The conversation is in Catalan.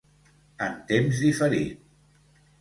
En temps diferit.